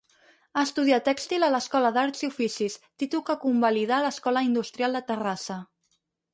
Estudià Tèxtil a l'Escola d'Arts i Oficis, títol que convalidà a l'Escola Industrial de Terrassa.